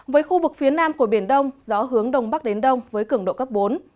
với khu vực phía nam của biển đông gió hướng đông bắc đến đông với cường độ cấp bốn